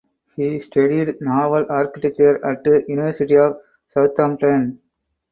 He studied Naval Architecture at University of Southampton.